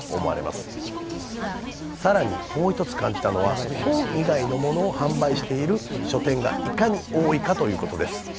更にもう一つ感じたのは本以外の物を販売している書店がいかに多いかということです。